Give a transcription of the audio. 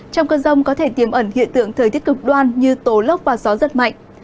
trong cơn rông có thể tiềm ẩn hiện tượng thời tiết cực đoan như tố lốc và gió rất mạnh